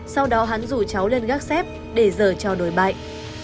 sau đó hắn rủ cháu lên gác xếp để dờ cho đổi bệnh